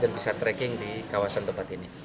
dan bisa tracking di kawasan tempat ini